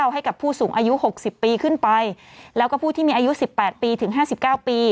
ให้กับผู้สูงอายุหกสิบปีขึ้นไปแล้วก็ผู้ที่มีอายุสิบแปดปีถึงห้าสิบเก้าปี